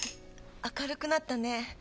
明るくなったね。